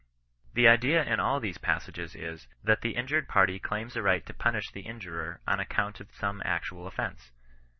The idea in all these passages is^ that the injured OHBISTIAN NOK BBSISTANOE. 35 party claims a right to punish the injurer on account of «ome actual offence.